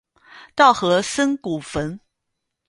稻荷森古坟。